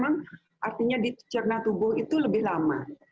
karena memang artinya di cerna tubuh itu lebih lama